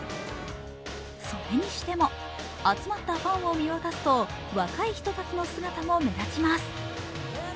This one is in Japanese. それにしても集まったファンを見渡すと若い人たちの姿も目立ちます。